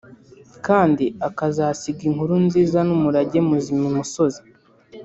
kandi akazasiga inkuru nziza n’umurage muzima imusozi